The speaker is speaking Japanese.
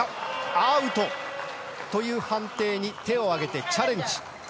アウトという判定に手を上げてチャレンジ。